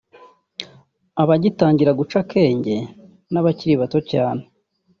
abagitangira guca akenge n’abakiri bato cyane